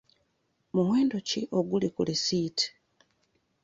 Muwendo ki oguli ku lisiiti?